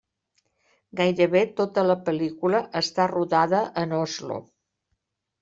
Gairebé tota la pel·lícula està rodada en Oslo.